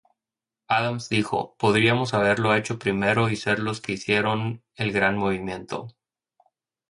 Adams dijo: ""Podríamos haberlo hecho primero y ser los que hicieron el gran movimiento.